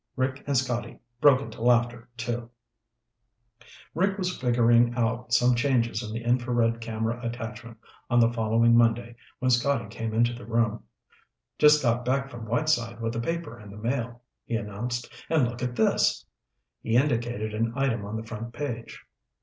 Rick and Scotty broke into laughter, too. Rick was figuring out some changes in the infrared camera attachment on the following Monday when Scotty came into the room. "Just got back from Whiteside with the paper and the mail," he announced. "And look at this!" He indicated an item on the front page.